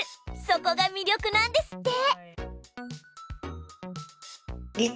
そこがみりょくなんですって！